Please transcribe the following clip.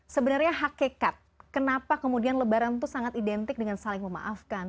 sebenarnya hakikat kenapa kemudian lebaran itu sangat identik dengan saling memaafkan